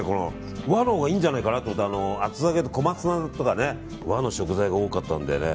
和のほうがいいんじゃないかなと思って、厚揚げとかコマツナとか和の食材が多かったんでね。